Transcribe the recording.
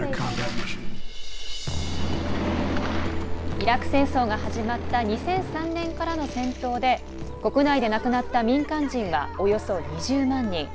イラク戦争が始まった２００３年からの戦闘で国内で亡くなった民間人はおよそ２０万人。